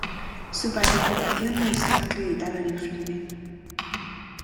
Su participación no está acreditada en el filme.